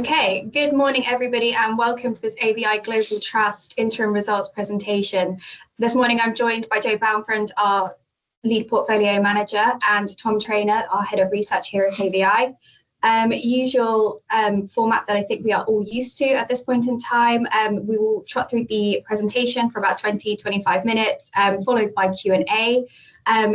Okay, good morning, everybody, and welcome to this AVI Global Trust interim results presentation. This morning, I'm joined by Joe Bauernfreund, our Lead Portfolio Manager, and Tom Treanor, our Head of Research here at AVI. Usual format that I think we are all used to at this point in time. We will chat through the presentation for about 20, 25 minutes, followed by Q&A.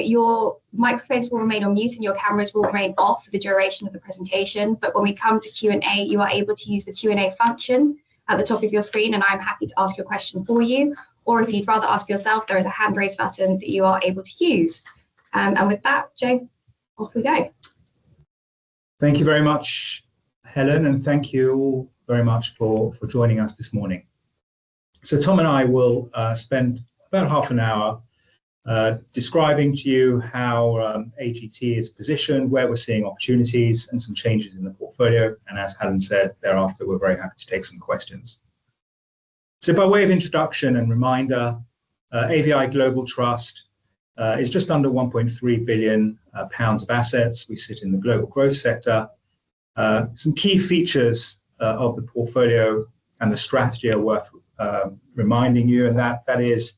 Your microphones will remain on mute, and your cameras will remain off for the duration of the presentation. But when we come to Q&A, you are able to use the Q&A function at the top of your screen, and I'm happy to ask you a question for you. Or if you'd rather ask yourself, there is a hand-raise button that you are able to use, and with that, Joe, off we go. Thank you very much, Helen, and thank you very much for joining us this morning. So Tom and I will spend about half an hour describing to you how AGT is positioned, where we're seeing opportunities, and some changes in the portfolio. And as Helen said thereafter, we're very happy to take some questions. So by way of introduction and reminder, AVI Global Trust is just under 1.3 billion pounds of assets. We sit in the global growth sector. Some key features of the portfolio and the strategy are worth reminding you of that. That is,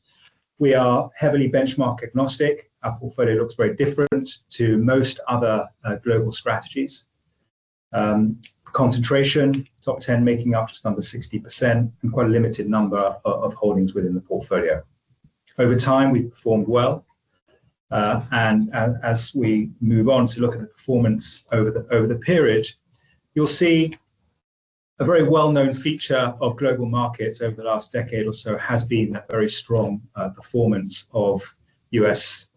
we are heavily benchmark agnostic. Our portfolio looks very different to most other global strategies. Concentration, top 10 making up just under 60%, and quite a limited number of holdings within the portfolio. Over time, we've performed well. As we move on to look at the performance over the period, you'll see a very well-known feature of global markets over the last decade or so has been that very strong performance of U.S.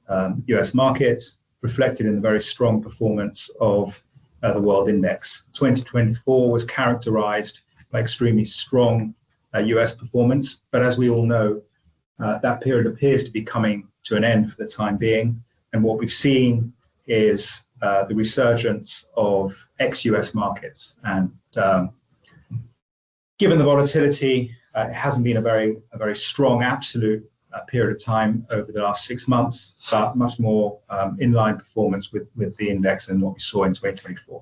markets, reflected in the very strong performance of the World Index. 2024 was characterized by extremely strong U.S. performance, but as we all know, that period appears to be coming to an end for the time being, and what we've seen is the resurgence of ex-U.S. markets, and given the volatility, it hasn't been a very strong absolute period of time over the last six months, but much more in line performance with the index and what we saw in 2024.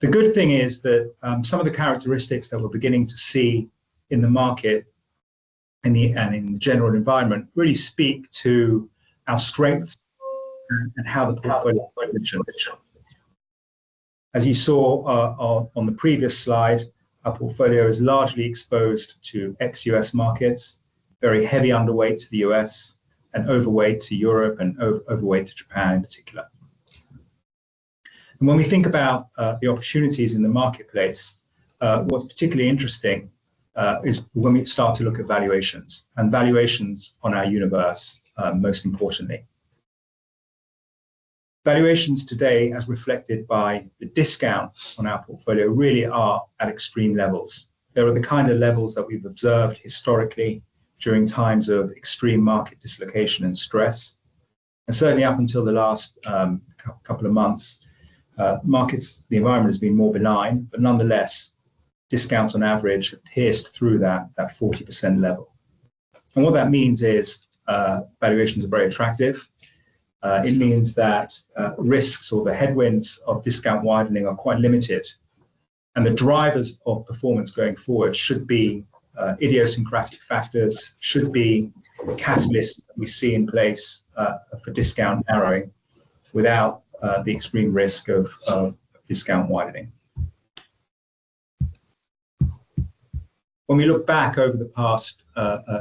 The good thing is that, some of the characteristics that we're beginning to see in the market and in the general environment really speak to our strengths and how the portfolio is positioned. As you saw, on the previous slide, our portfolio is largely exposed to ex-U.S. markets, very heavy underweight to the U.S., and overweight to Europe and overweight to Japan in particular, and when we think about the opportunities in the marketplace, what's particularly interesting is when we start to look at valuations and valuations on our universe, most importantly. Valuations today, as reflected by the discount on our portfolio, really are at extreme levels. They're at the kind of levels that we've observed historically during times of extreme market dislocation and stress. And certainly up until the last couple of months, markets, the environment has been more benign, but nonetheless, discounts on average have pierced through that 40% level. And what that means is, valuations are very attractive. It means that, risks or the headwinds of discount widening are quite limited. And the drivers of performance going forward should be, idiosyncratic factors, should be catalysts that we see in place, for discount narrowing without the extreme risk of discount widening. When we look back over the past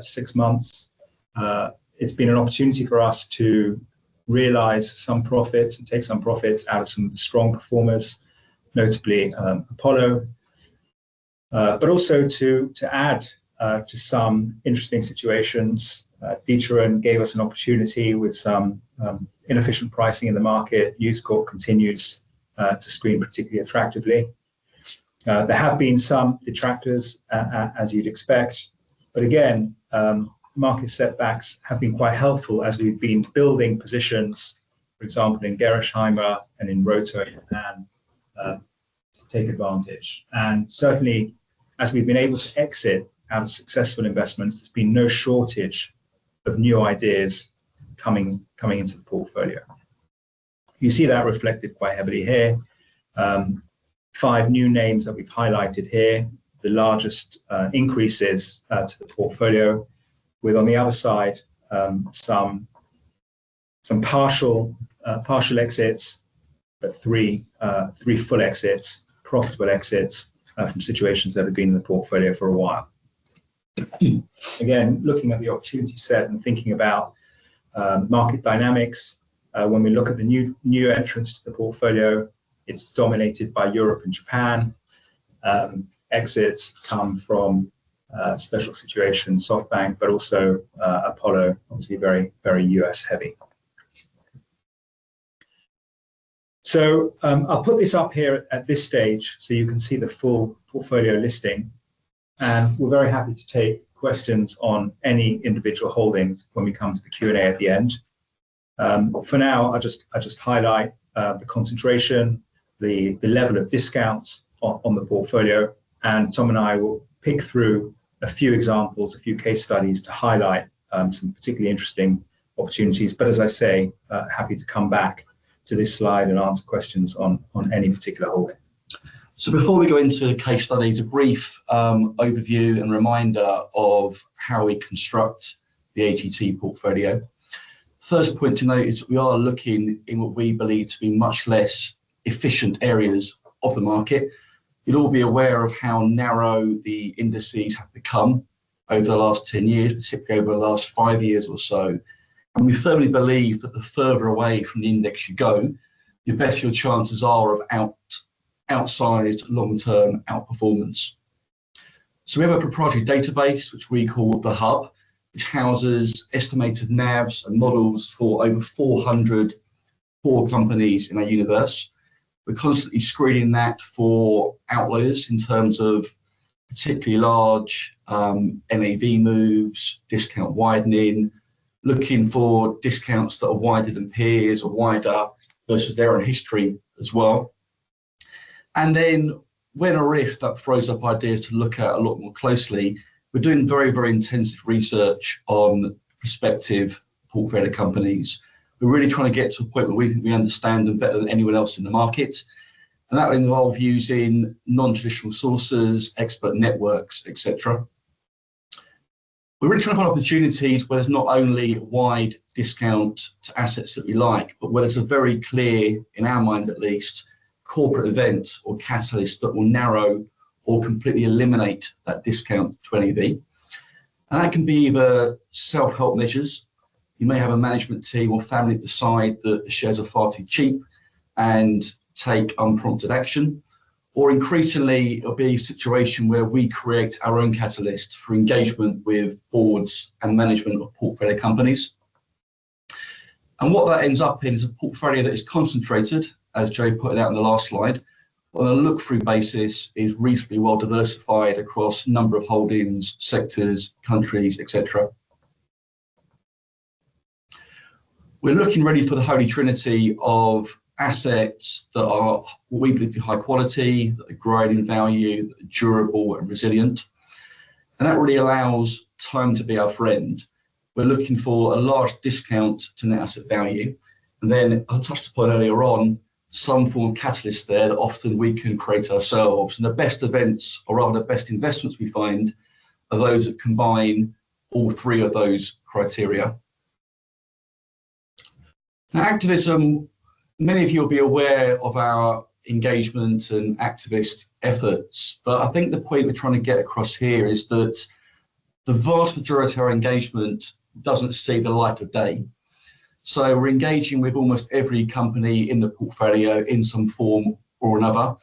six months, it's been an opportunity for us to realize some profits and take some profits out of some of the strong performers, notably, Apollo. But also to add to some interesting situations, D'Ieteren gave us an opportunity with some inefficient pricing in the market. News Corp continues to screen particularly attractively. There have been some detractors, as you'd expect. But again, market setbacks have been quite helpful as we've been building positions, for example, in Gerresheimer and in Rohto, in Japan, to take advantage. And certainly, as we've been able to exit out of successful investments, there's been no shortage of new ideas coming into the portfolio. You see that reflected quite heavily here. Five new names that we've highlighted here, the largest increases to the portfolio, with on the other side, some partial exits, but three full exits, profitable exits, from situations that have been in the portfolio for a while. Again, looking at the opportunity set and thinking about market dynamics, when we look at the new entrants to the portfolio, it's dominated by Europe and Japan. Exits come from special situation SoftBank, but also Apollo, obviously very U.S.-heavy. So, I'll put this up here at this stage so you can see the full portfolio listing. And we're very happy to take questions on any individual holdings when we come to the Q&A at the end. For now, I'll just highlight the concentration, the level of discounts on the portfolio. And Tom and I will pick through a few examples, a few case studies to highlight some particularly interesting opportunities. But as I say, happy to come back to this slide and answer questions on any particular holding. So before we go into the case studies, a brief overview and reminder of how we construct the AGT portfolio. First point to note is that we are looking in what we believe to be much less efficient areas of the market. You'd all be aware of how narrow the indices have become over the last 10 years, particularly over the last five years or so, and we firmly believe that the further away from the index you go, the better your chances are of outsized long-term outperformance, so we have a proprietary database, which we call The Hub, which houses estimated NAVs and models for over 400 core companies in our universe. We're constantly screening that for outliers in terms of particularly large NAV moves, discount widening, looking for discounts that are wider than peers or wider versus their own history as well, and then when or if that throws up ideas to look at a lot more closely, we're doing very, very intensive research on prospective portfolio companies. We're really trying to get to a point where we think we understand them better than anyone else in the market. That involves using non-traditional sources, expert networks, etc. We're really trying to find opportunities where there's not only wide discount to assets that we like, but where there's a very clear, in our minds at least, corporate event or catalyst that will narrow or completely eliminate that discount to anything. That can be either self-help measures. You may have a management team or family at the side that the shares are far too cheap and take unprompted action. Increasingly, it'll be a situation where we create our own catalyst for engagement with boards and management of portfolio companies. What that ends up in is a portfolio that is concentrated, as Joe put it out on the last slide, on a look-through basis, is reasonably well diversified across a number of holdings, sectors, countries, etc. We're looking really for the holy trinity of assets that are what we believe to be high quality, that are growing in value, that are durable and resilient and that really allows time to be our friend. We're looking for a large discount to Net Asset Value and then, I'll touch upon earlier on, some form of catalyst there that often we can create ourselves and the best events, or rather the best investments we find, are those that combine all three of those criteria. Now, Activism, many of you will be aware of our engagement and activist efforts, but I think the point we're trying to get across here is that the vast majority of our engagement doesn't see the light of day, so we're engaging with almost every company in the portfolio in some form or another.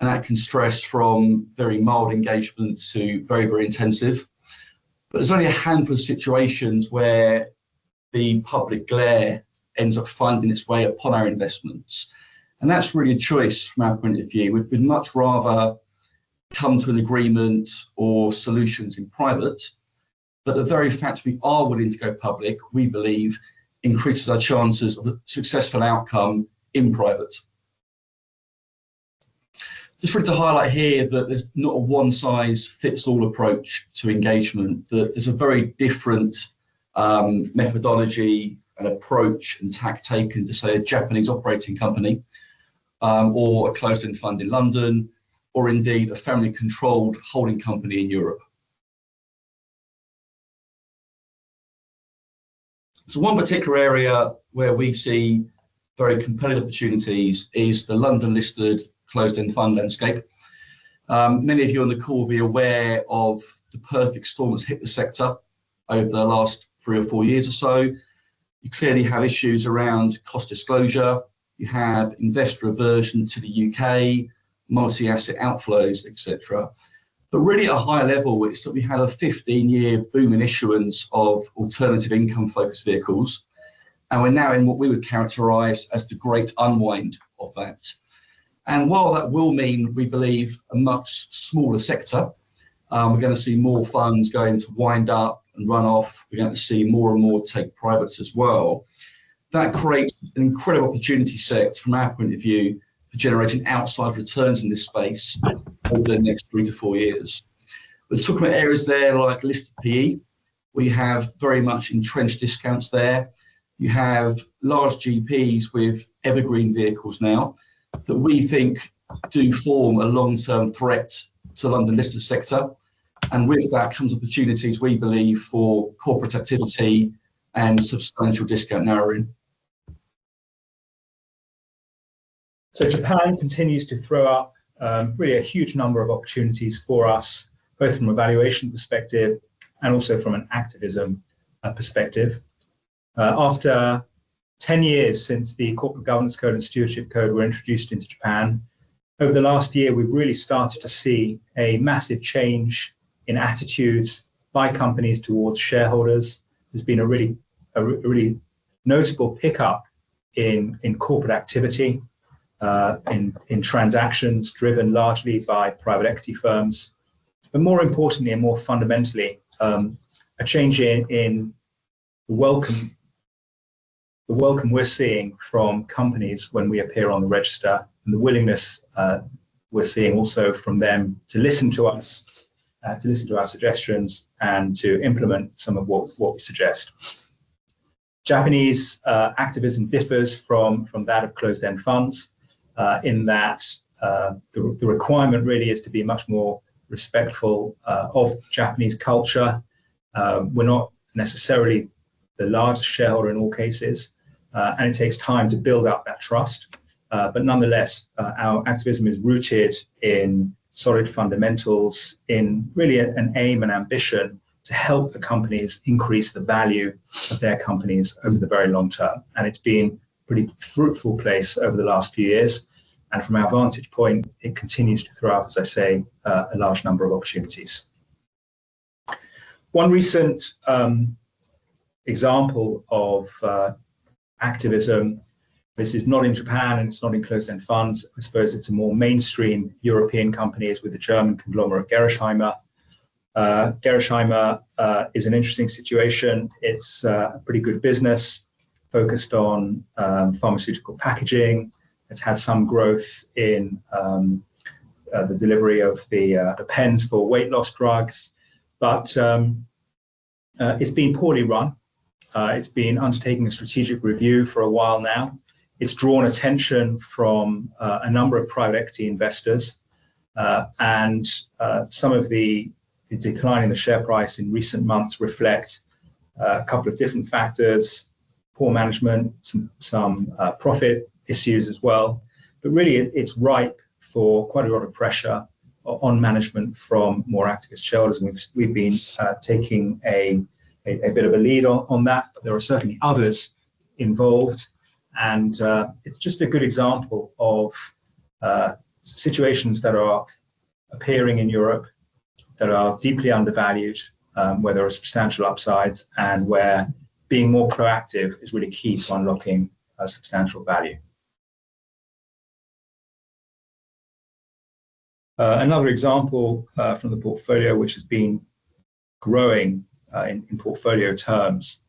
That can stretch from very mild engagements to very, very intensive. There's only a handful of situations where the public glare ends up finding its way upon our investments. That's really a choice from our point of view. We'd much rather come to an agreement or solutions in private. The very fact we are willing to go public, we believe, increases our chances of a successful outcome in private. Just really to highlight here that there's not a one-size-fits-all approach to engagement, that there's a very different, methodology and approach and tact taken to, say, a Japanese operating company, or a closed-end fund in London, or indeed a family-controlled holding company in Europe. One particular area where we see very competitive opportunities is the London-listed closed-end fund landscape. Many of you on the call will be aware of the perfect storm that's hit the sector over the last three or four years or so. You clearly have issues around cost disclosure. You have investor aversion to the U.K., multi-asset outflows, etc. But really, at a higher level, it's that we had a 15-year boom in issuance of alternative income-focused vehicles. And we're now in what we would characterize as the great unwind of that. And while that will mean, we believe, a much smaller sector, we're going to see more funds going to wind up and run off. We're going to see more and more take private as well. That creates an incredible opportunity set from our point of view for generating outside returns in this space over the next three to four years. We're talking about areas there like listed PE. We have very much entrenched discounts there. You have large GPs with evergreen vehicles now that we think do form a long-term threat to the London-listed sector, and with that comes opportunities, we believe, for corporate activity and substantial discount narrowing. Japan continues to throw up really a huge number of opportunities for us, both from a valuation perspective and also from an activism perspective. After 10 years since the Corporate Governance Code and Stewardship Code were introduced into Japan, over the last year, we've really started to see a massive change in attitudes by companies towards shareholders. There's been a really notable pickup in corporate activity, in transactions driven largely by private equity firms. But more importantly, and more fundamentally, a change in the welcome we're seeing from companies when we appear on the register and the willingness we're seeing also from them to listen to us, to our suggestions and to implement some of what we suggest. Japanese activism differs from that of closed-end funds, in that the requirement really is to be much more respectful of Japanese culture. We're not necessarily the largest shareholder in all cases. It takes time to build up that trust. But nonetheless, our activism is rooted in solid fundamentals, in really an aim and ambition to help the companies increase the value of their companies over the very long term. And it's been a pretty fruitful place over the last few years. And from our vantage point, it continues to throw out, as I say, a large number of opportunities. One recent example of activism. This is not in Japan and it's not in closed-end funds. I suppose it's a more mainstream European company with the German conglomerate Gerresheimer. Gerresheimer is an interesting situation. It's a pretty good business focused on pharmaceutical packaging. It's had some growth in the delivery of the pens for weight loss drugs. But it's been poorly run. It's been undertaking a strategic review for a while now. It's drawn attention from a number of private equity investors. And some of the decline in the share price in recent months reflects a couple of different factors, poor management, some profit issues as well. But really, it's ripe for quite a lot of pressure on management from more activist shareholders. We've been taking a bit of a lead on that. But there are certainly others involved. It's just a good example of situations that are appearing in Europe that are deeply undervalued, where there are substantial upsides and where being more proactive is really key to unlocking substantial value. Another example from the portfolio, which has been growing in portfolio terms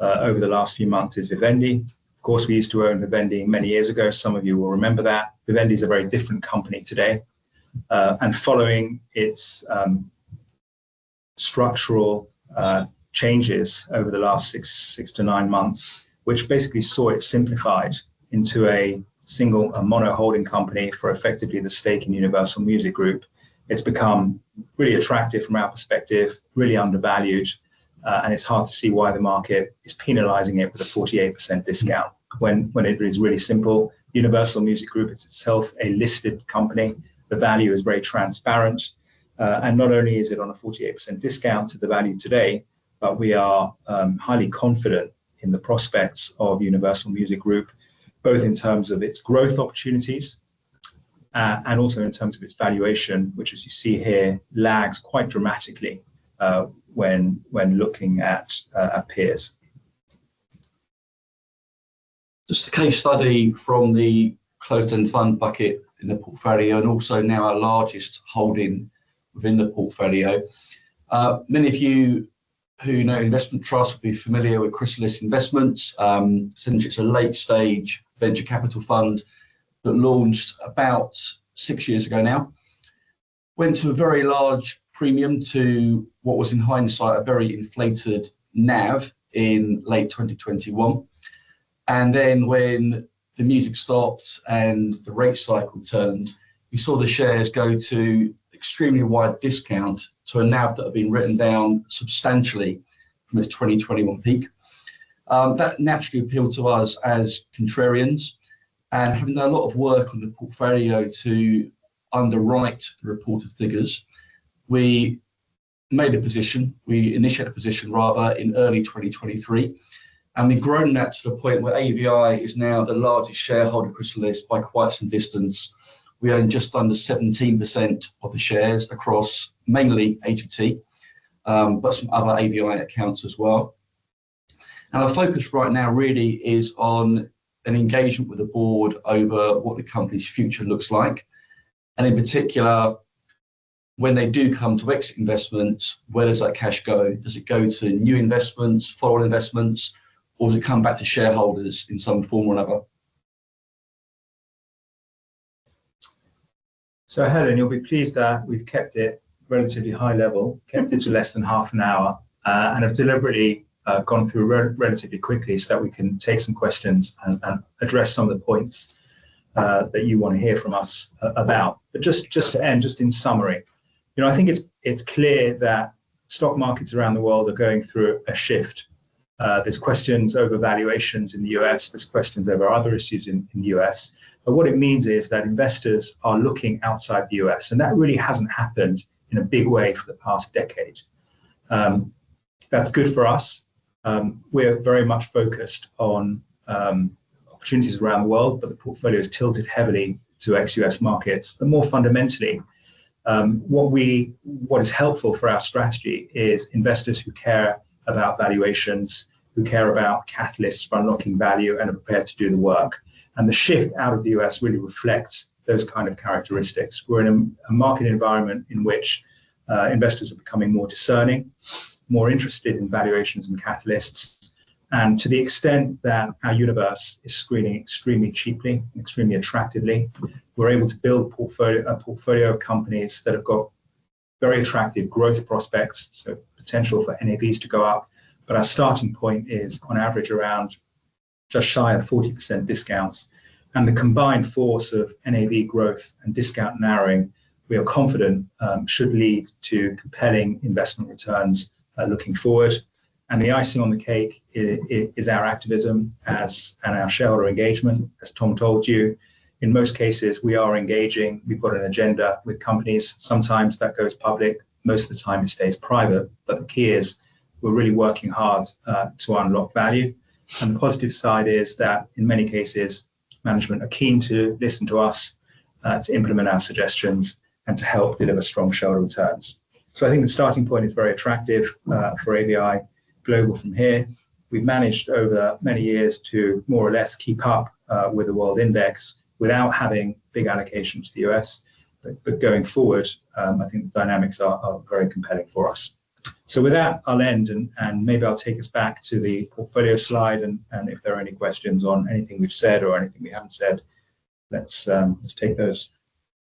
over the last few months, is Vivendi. Of course, we used to own Vivendi many years ago. Some of you will remember that. Vivendi is a very different company today. Following its structural changes over the last six to nine months, which basically saw it simplified into a single mono holding company for effectively the stake in Universal Music Group, it's become really attractive from our perspective, really undervalued. And it's hard to see why the market is penalizing it with a 48% discount when it is really simple. Universal Music Group is itself a listed company. The value is very transparent. And not only is it on a 48% discount to the value today, but we are highly confident in the prospects of Universal Music Group, both in terms of its growth opportunities, and also in terms of its valuation, which, as you see here, lags quite dramatically when looking at peers. Just a case study from the closed-end fund bucket in the portfolio and also now our largest holding within the portfolio. Many of you who know investment trusts will be familiar with Chrysalis Investments. Essentially, it's a late-stage venture capital fund that launched about six years ago now, went to a very large premium to what was, in hindsight, a very inflated NAV in late 2021. Then when the music stopped and the rate cycle turned, we saw the shares go to extremely wide discount to a NAV that had been written down substantially from its 2021 peak. That naturally appealed to us as contrarians. Having done a lot of work on the portfolio to underwrite the reported figures, we made a position. We initiated a position, rather, in early 2023. We've grown that to the point where AVI is now the largest shareholder of Chrysalis by quite some distance. We own just under 17% of the shares across mainly AGT, but some other AVI accounts as well. And our focus right now really is on an engagement with the board over what the company's future looks like. And in particular, when they do come to exit investments, where does that cash go? Does it go to new investments, forward investments, or does it come back to shareholders in some form or another? So Helen, you'll be pleased that we've kept it relatively high level, kept it to less than half an hour. And I've deliberately gone through relatively quickly so that we can take some questions and address some of the points that you want to hear from us about. But just to end, just in summary, you know, I think it's clear that stock markets around the world are going through a shift. There are questions over valuations in the U.S., there are questions over other issues in the U.S. But what it means is that investors are looking outside the U.S. And that really hasn't happened in a big way for the past decade. That's good for us. We're very much focused on opportunities around the world, but the portfolio is tilted heavily to ex-U.S. markets. But more fundamentally, what is helpful for our strategy is investors who care about valuations, who care about catalysts for unlocking value and are prepared to do the work. And the shift out of the U.S. really reflects those kind of characteristics. We're in a market environment in which investors are becoming more discerning, more interested in valuations and catalysts. And to the extent that our universe is screening extremely cheaply and extremely attractively, we're able to build a portfolio of companies that have got very attractive growth prospects, so potential for NAVs to go up. But our starting point is, on average, around just shy of 40% discounts. And the combined force of NAV growth and discount narrowing, we are confident, should lead to compelling investment returns, looking forward. And the icing on the cake is our activism and our shareholder engagement, as Tom told you. In most cases, we are engaging. We've got an agenda with companies. Sometimes that goes public. Most of the time it stays private. But the key is we're really working hard to unlock value. And the positive side is that in many cases, management are keen to listen to us, to implement our suggestions and to help deliver strong shareholder returns. So I think the starting point is very attractive for AVI Global from here. We've managed over many years to more or less keep up with the World Index without having big allocation to the U.S. Going forward, I think the dynamics are very compelling for us. With that, I'll end and maybe I'll take us back to the portfolio slide. If there are any questions on anything we've said or anything we haven't said, let's take those.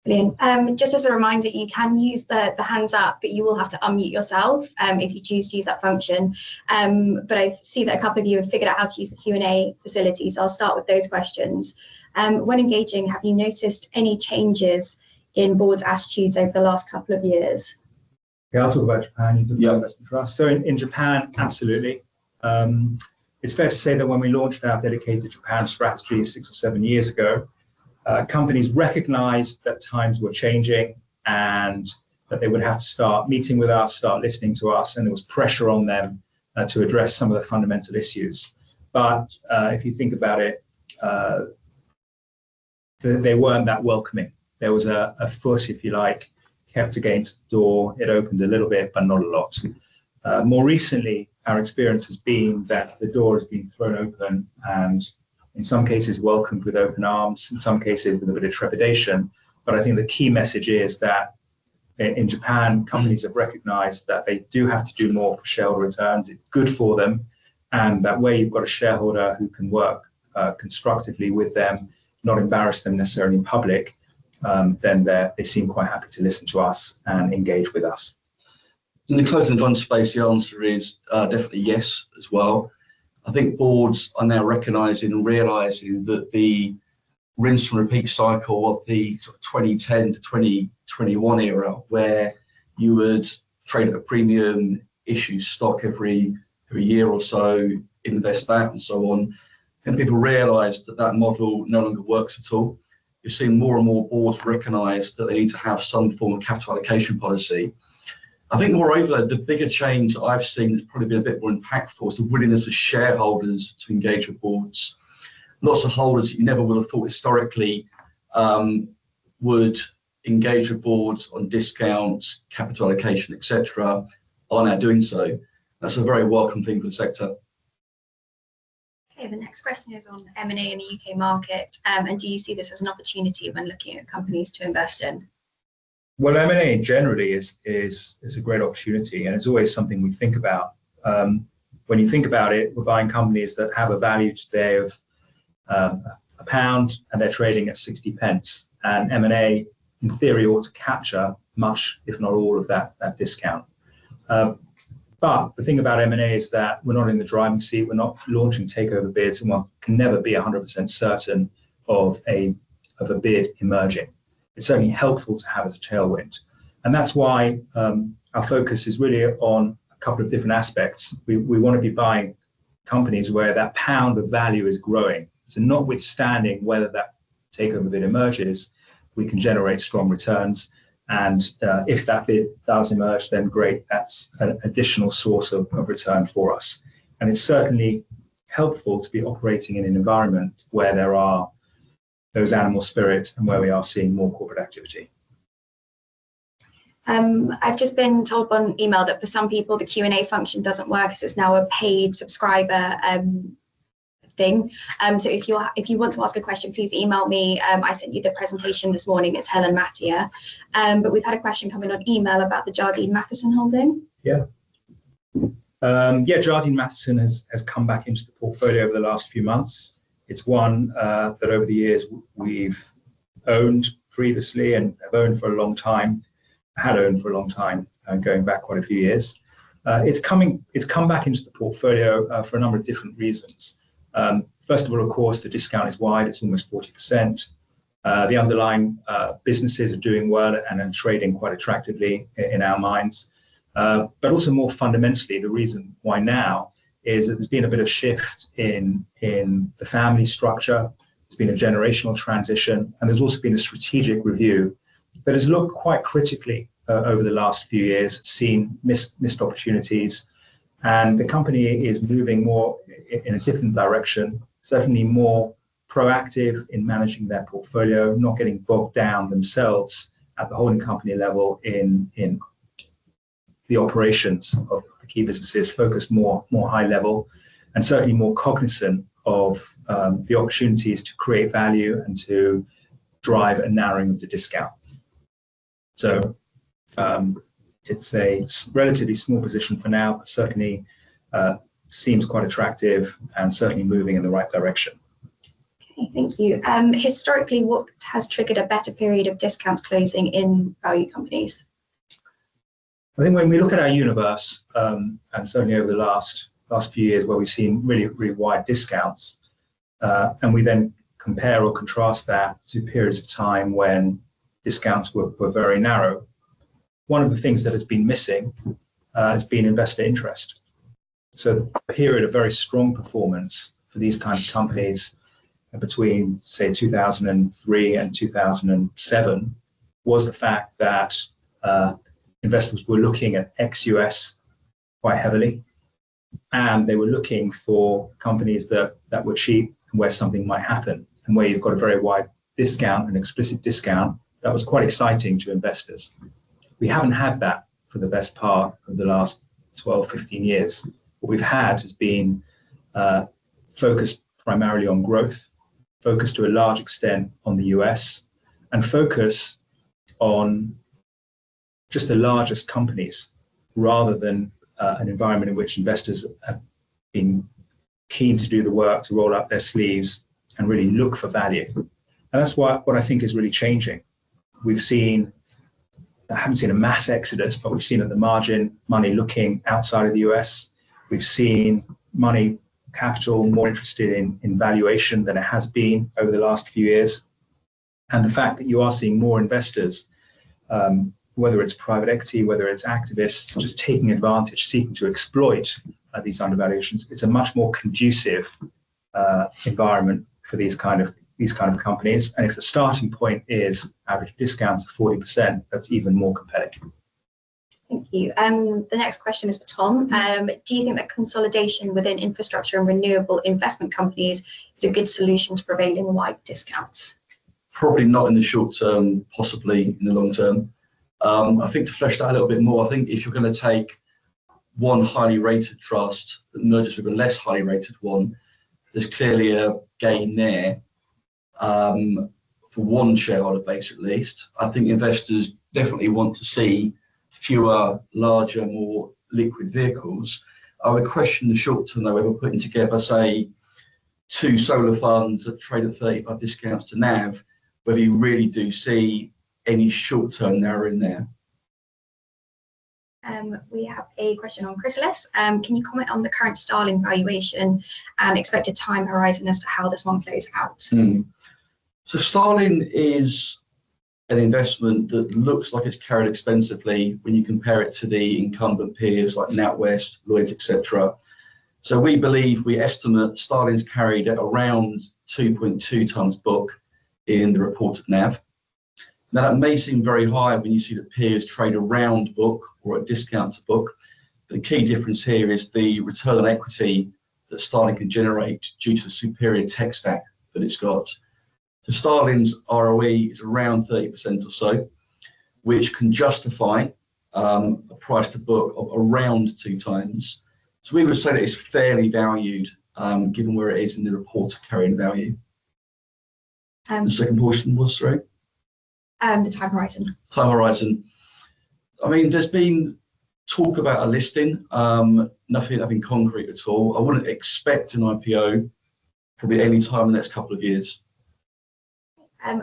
Brilliant. Just as a reminder, you can use the hands up, but you will have to unmute yourself if you choose to use that function. I see that a couple of you have figured out how to use the Q&A facility, so I'll start with those questions. When engaging, have you noticed any changes in board's attitudes over the last couple of years? Yeah, I'll talk about Japan. You talked about investment trusts, so in Japan, absolutely. It's fair to say that when we launched our dedicated Japan strategy six or seven years ago, companies recognized that times were changing and that they would have to start meeting with us, start listening to us. And there was pressure on them to address some of the fundamental issues, but if you think about it, they weren't that welcoming. There was a foot, if you like, kept against the door. It opened a little bit, but not a lot. More recently, our experience has been that the door has been thrown open and, in some cases, welcomed with open arms, in some cases with a bit of trepidation. But I think the key message is that in Japan, companies have recognized that they do have to do more for shareholder returns. It's good for them, and that way you've got a shareholder who can work constructively with them, not embarrass them necessarily in public. Then they seem quite happy to listen to us and engage with us. In the closed-end funds space, the answer is, definitely yes as well. I think boards are now recognizing and realizing that the rinse and repeat cycle of the sort of 2010-2021 era, where you would trade at a premium issue stock every year or so, invest that and so on, and people realized that that model no longer works at all. You've seen more and more boards recognize that they need to have some form of capital allocation policy. I think moreover, the bigger change I've seen that's probably been a bit more impactful is the willingness of shareholders to engage with boards. Lots of holders that you never would have thought historically, would engage with boards on discounts, capital allocation, etc., are now doing so. That's a very welcome thing for the sector. Okay. The next question is on M&A in the U.K. market, and do you see this as an opportunity when looking at companies to invest in? M&A in general is a great opportunity. It's always something we think about. When you think about it, we're buying companies that have a value today of a pound, and they're trading at 60 pence. M&A, in theory, ought to capture much, if not all, of that discount. The thing about M&A is that we're not in the driving seat. We're not launching takeover bids. One can never be 100% certain of a bid emerging. It's certainly helpful to have as a tailwind. That's why our focus is really on a couple of different aspects. We want to be buying companies where that pound of value is growing. Notwithstanding whether that takeover bid emerges, we can generate strong returns. If that bid does emerge, then great, that's an additional source of return for us. It's certainly helpful to be operating in an environment where there are those animal spirits and where we are seeing more corporate activity. I've just been told by an email that for some people, the Q&A function doesn't work as it's now a paid subscriber thing. So if you want to ask a question, please email me. I sent you the presentation this morning. It's Helen Mattia. But we've had a question come in on email about the Jardine Matheson holding. Yeah. Yeah, Jardine Matheson has come back into the portfolio over the last few months. It's one that over the years we've owned previously and have owned for a long time, going back quite a few years. It's come back into the portfolio for a number of different reasons. First of all, of course, the discount is wide. It's almost 40%. The underlying businesses are doing well and are trading quite attractively in our minds. But also more fundamentally, the reason why now is that there's been a bit of shift in the family structure. There's been a generational transition. There's also been a strategic review that has looked quite critically over the last few years, seen missed opportunities. The company is moving more in a different direction, certainly more proactive in managing their portfolio, not getting bogged down themselves at the holding company level in the operations of the key businesses, focused more, more high level, and certainly more cognizant of the opportunities to create value and to drive a narrowing of the discount. It's a relatively small position for now, but certainly seems quite attractive and certainly moving in the right direction. Okay. Thank you. Historically, what has triggered a better period of discounts closing in value companies? I think when we look at our universe, and certainly over the last, last few years where we've seen really, really wide discounts, and we then compare or contrast that to periods of time when discounts were, were very narrow, one of the things that has been missing, has been investor interest. So the period of very strong performance for these kinds of companies between, say, 2003 and 2007 was the fact that, investors were looking at ex-U.S. quite heavily. And they were looking for companies that, that were cheap and where something might happen and where you've got a very wide discount and explicit discount. That was quite exciting to investors. We haven't had that for the best part of the last 12 years, 15 years. What we've had has been focused primarily on growth, focused to a large extent on the U.S., and focused on just the largest companies rather than an environment in which investors have been keen to do the work, to roll up their sleeves and really look for value. That's what I think is really changing. We've seen. I haven't seen a mass exodus, but we've seen at the margin money looking outside of the U.S. We've seen money capital more interested in valuation than it has been over the last few years. The fact that you are seeing more investors, whether it's private equity, whether it's activists just taking advantage, seeking to exploit these undervaluations, it's a much more conducive environment for these kind of companies. If the starting point is average discounts of 40%, that's even more compelling. Thank you. The next question is for Tom. Do you think that consolidation within infrastructure and renewable investment companies is a good solution to prevailing wide discounts? Probably not in the short term, possibly in the long term. I think to flesh that a little bit more, I think if you're going to take one highly rated trust that merges with a less highly rated one, there's clearly a gain there, for one shareholder base at least. I think investors definitely want to see fewer, larger, more liquid vehicles. I would question the short term though, ever putting together, say, two solar funds that trade at 35% discounts to NAV, whether you really do see any short-term narrowing there. We have a question on Chrysalis. Can you comment on the current Starling valuation and expected time horizon as to how this one plays out? So Starling is an investment that looks like it's carried expensively when you compare it to the incumbent peers like NatWest, Lloyds, etc. So we believe, we estimate Starling's carried at around 2.2x book in the reported NAV. Now, that may seem very high when you see the peers trade around book or at discount to book. The key difference here is the return on equity that Starling can generate due to the superior tech stack that it's got. So Starling's ROE is around 30% or so, which can justify a price to book of around 2x. So we would say that it's fairly valued, given where it is in the reported carrying value. The second portion, was sorry? The time horizon. Time horizon. I mean, there's been talk about a listing, nothing I think concrete at all. I wouldn't expect an IPO probably any time in the next couple of years.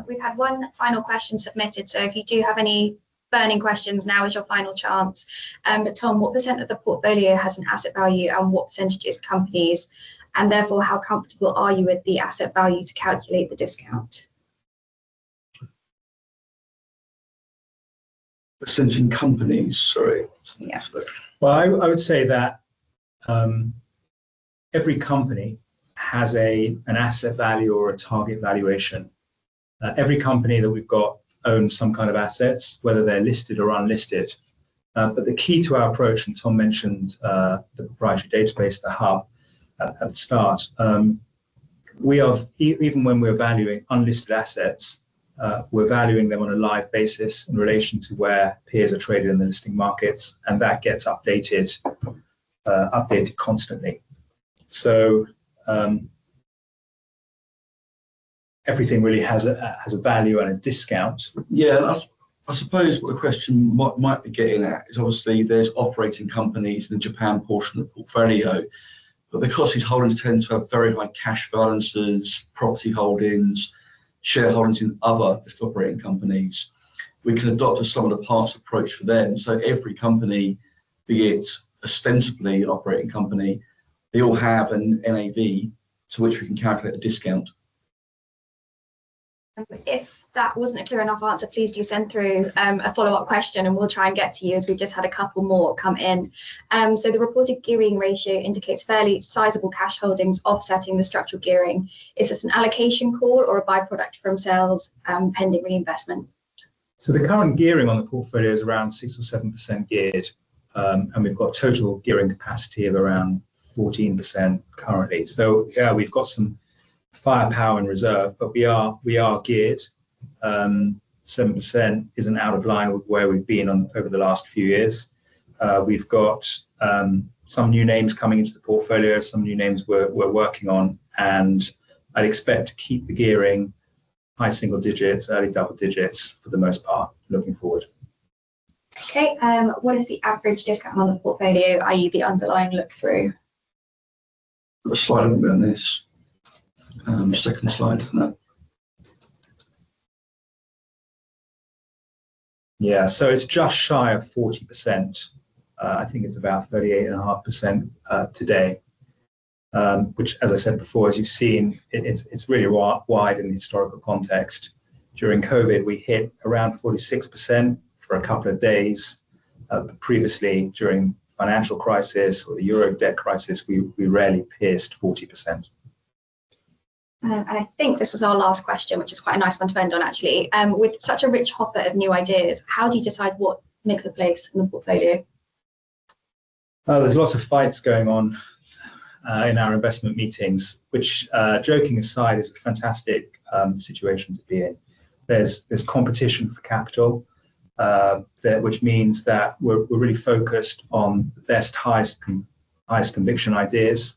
We've had one final question submitted. So if you do have any burning questions, now is your final chance. But Tom, what percent of the portfolio has an asset value and what percentage is companies? And therefore, how comfortable are you with the asset value to calculate the discount? Percentage in companies, sorry. Yeah. I would say that every company has an asset value or a target valuation. Every company that we've got owns some kind of assets, whether they're listed or unlisted. But the key to our approach, and Tom mentioned the proprietary database, The Hub, at the start, we even when we're valuing unlisted assets, we're valuing them on a live basis in relation to where peers are traded in the listed markets. And that gets updated constantly. So everything really has a value and a discount. Yeah, and I suppose what the question might be getting at is obviously there's operating companies in the Japan portion of the portfolio. But because these holdings tend to have very high cash balances, property holdings, shareholdings in other operating companies, we can adopt a sum-of-the-parts approach for them. So every company, be it ostensibly an operating company, they all have an NAV to which we can calculate a discount. If that wasn't a clear enough answer, please do send through a follow-up question and we'll try and get to you as we've just had a couple more come in. So the reported gearing ratio indicates fairly sizable cash holdings offsetting the structural gearing. Is this an allocation call or a byproduct from sales, pending reinvestment? So the current gearing on the portfolio is around 6% or 7% geared. And we've got a total gearing capacity of around 14% currently. So yeah, we've got some firepower and reserve, but we are, we are geared. 7% isn't out of line with where we've been on over the last few years. We've got some new names coming into the portfolio, some new names we're, we're working on. And I'd expect to keep the gearing high single digits, early double digits for the most part looking forward. Okay. What is the average discount on the portfolio? Are you the underlying look-through? The slide on this, second slide, isn't it? Yeah. So it's just shy of 40%. I think it's about 38.5% today, which, as I said before, as you've seen, it's really wide in the historical context. During COVID, we hit around 46% for a couple of days. Previously, during the financial crisis or the euro debt crisis, we rarely pierced 40%. And I think this is our last question, which is quite a nice one to end on, actually. With such a rich hopper of new ideas, how do you decide what makes a place in the portfolio? There's lots of fights going on in our investment meetings, which, joking aside, is a fantastic situation to be in. There's competition for capital, which means that we're really focused on the best highest conviction ideas.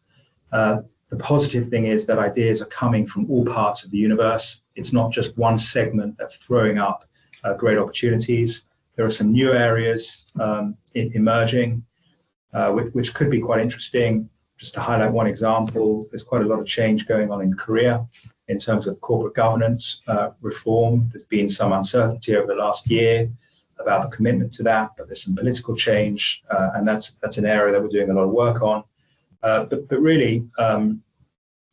The positive thing is that ideas are coming from all parts of the universe. It's not just one segment that's throwing up great opportunities. There are some new areas emerging, which could be quite interesting. Just to highlight one example, there's quite a lot of change going on in Korea in terms of corporate governance reform. There's been some uncertainty over the last year about the commitment to that, but there's some political change. That's an area that we're doing a lot of work on. Really,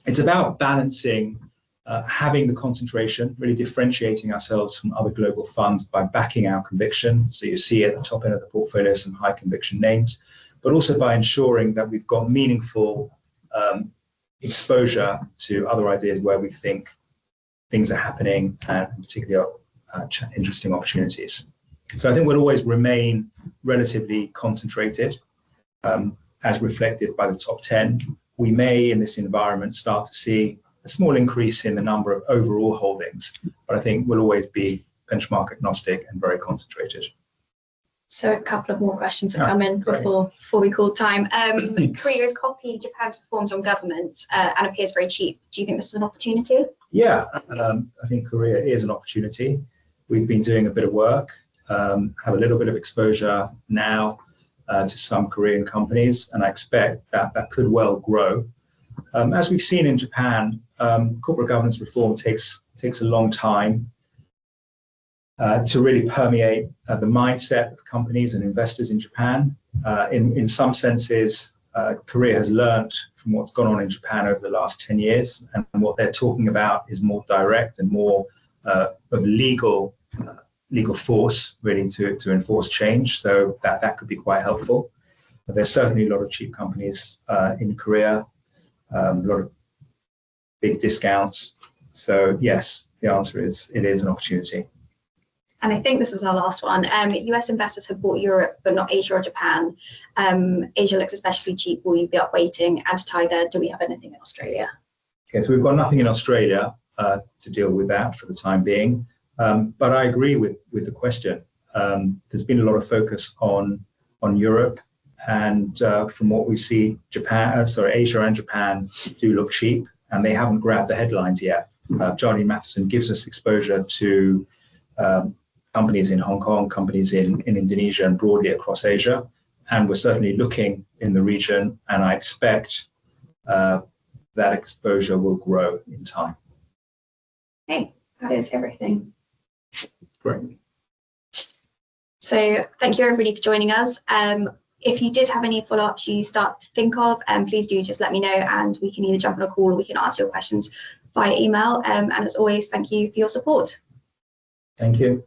it's about balancing, having the concentration, really differentiating ourselves from other global funds by backing our conviction. So you see at the top end of the portfolio some high conviction names, but also by ensuring that we've got meaningful exposure to other ideas where we think things are happening and particularly are interesting opportunities. I think we'll always remain relatively concentrated, as reflected by the top 10. We may, in this environment, start to see a small increase in the number of overall holdings, but I think we'll always be benchmark agnostic and very concentrated. So a couple of more questions have come in before we call time. Korea's copying Japan's reforms on governance, and appears very cheap. Do you think this is an opportunity? Yeah. I think Korea is an opportunity. We've been doing a bit of work, have a little bit of exposure now, to some Korean companies. And I expect that could well grow. As we've seen in Japan, corporate governance reform takes a long time, to really permeate, the mindset of companies and investors in Japan. In some senses, Korea has learned from what's gone on in Japan over the last 10 years. And what they're talking about is more direct and more of legal force really to enforce change. So that could be quite helpful. But there's certainly a lot of cheap companies in Korea, a lot of big discounts. So yes, the answer is it is an opportunity. I think this is our last one. U.S. investors have bought Europe, but not Asia or Japan. Asia looks especially cheap. Will you be upweighting? And to tie that, do we have anything in Australia? Okay. So we've got nothing in Australia to deal with that for the time being. But I agree with the question. There's been a lot of focus on Europe. And from what we see, Japan, sorry, Asia and Japan do look cheap. And they haven't grabbed the headlines yet. Jardine Matheson gives us exposure to companies in Hong Kong, companies in Indonesia and broadly across Asia. And we're certainly looking in the region. And I expect that exposure will grow in time. Okay. That is everything. Great. So thank you everybody for joining us. If you did have any follow-ups you start to think of, please do just let me know. And we can either jump on a call or we can ask your questions via email. And as always, thank you for your support. Thank you.